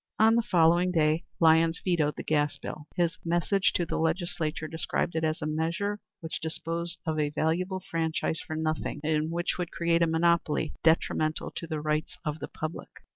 On the following day Lyons vetoed the gas bill. His message to the Legislature described it as a measure which disposed of a valuable franchise for nothing, and which would create a monopoly detrimental to the rights of the public.